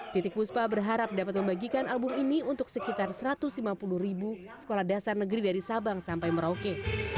titik puspa berharap dapat membagikan album ini untuk sekitar satu ratus lima puluh ribu sekolah dasar negeri dari sabang sampai merauke